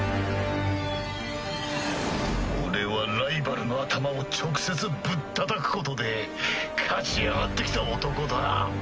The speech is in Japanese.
俺はライバルの頭を直接ぶったたくことで勝ち上がってきた男だ。